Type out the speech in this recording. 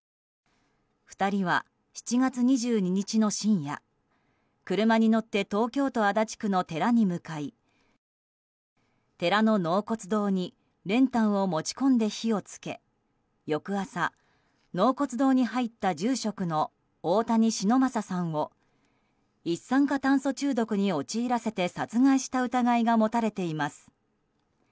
２人は、７月２２日の深夜車に乗って東京都足立区の寺に向かい寺の納骨堂に練炭を持ち込んで火を付け翌朝、納骨堂に入った住職の大谷忍昌さんを一酸化炭素中毒に陥らせて殺害した疑いが持たれています。